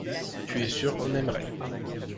Tu es sûr qu’on aimerait.